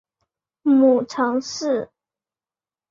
母程氏。